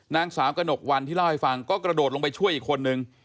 นางสาวกระหนกวันที่เล่าให้ฟังก็กระโดดลงไปช่วยอีกคนนึง